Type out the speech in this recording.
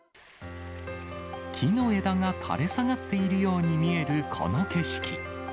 木の枝が垂れ下がっているように見えるこの景色。